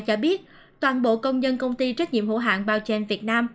cho biết toàn bộ công nhân công ty trách nhiệm hữu hạng bao danh việt nam